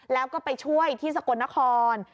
แล้วก็ไปช่วยที่สกลนคร